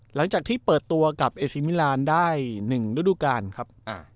หลังจากที่เปิดตัวกับเอซีมิลานได้๑ฤดูกาลครับ